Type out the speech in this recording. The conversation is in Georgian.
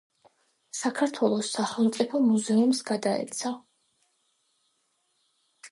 საქართველოს სახელმწიფო მუზეუმს გადაეცა.